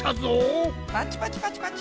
パチパチパチパチ！